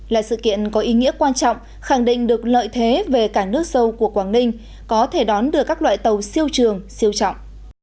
là sự kiện có ý nghĩa quan trọng khẳng định được lợi thế về cảng nước sâu của quảng ninh có thể đón được các loại tàu siêu trường siêu trọng